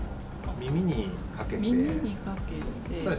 耳にかけて。